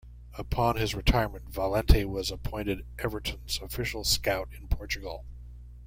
Upon his retirement, Valente was appointed Everton's official scout in Portugal.